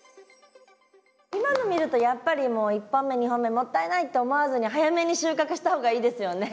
今の見るとやっぱりもう１本目２本目もったいないって思わずに早めに収穫した方がいいですよね。